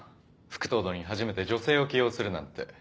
副頭取に初めて女性を起用するなんて。